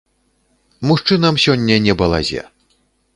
Мужчынам сёння не балазе.